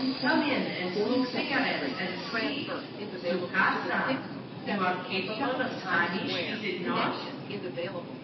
"Come in and smoke cigarettes and sleep. Su casa! You are capable of Spanish, is it not?"